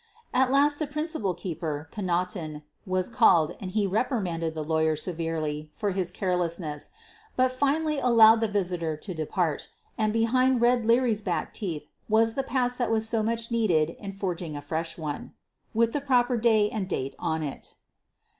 At last the principal keeper, Connaughton, was called and he reprimanded the "lawyer" severely for his carelessness, but finally allowed the visitor to depart — and behind "Red" Leary 's back teeth was the pass that was so much needed in forging a fresh one, with the proper day and date on it.